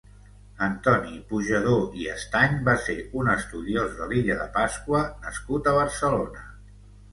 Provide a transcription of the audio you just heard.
Antoni Pujador i Estany va ser un estudiós de l'illa de Pasqua nascut a Barcelona.